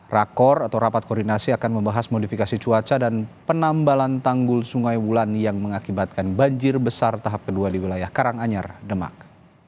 rakor atau rapat koordinasi akan membahas modifikasi cuaca dan penambalan tanggul sungai wulan yang mengakibatkan banjir besar tahap kedua di wilayah karanganyar demak